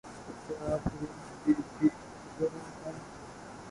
کیا آپ green tea پی رہے ہے؟